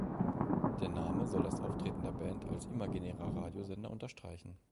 Der Name soll das Auftreten der Band als imaginärer Radiosender unterstreichen.